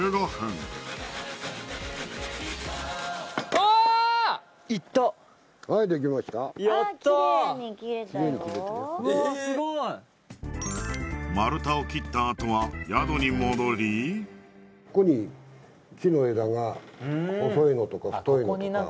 わーすごい丸太を切ったあとは宿に戻りここに木の枝が細いのとか太いのとか・